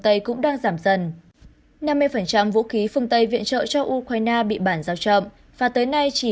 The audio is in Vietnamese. tây cũng đang giảm dần năm mươi vũ khí phương tây viện trợ cho ukraine bị bản giao chậm và tới nay chỉ